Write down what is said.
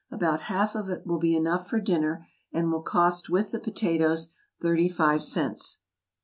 About half of it will be enough for dinner, and will cost, with the potatoes, thirty five cents.